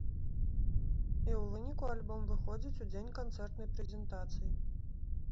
І ў выніку альбом выходзіць у дзень канцэртнай прэзентацыі.